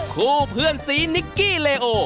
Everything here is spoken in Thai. เพื่อนสีนิกกี้เลโอ